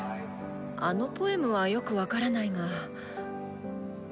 あのポエムはよく分からないが。